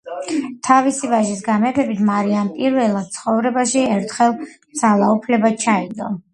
თავისი ვაჟის გამეფებით მარიამ პირველად ცხოვრებაში ხელში ძალაუფლება ჩაიგდო.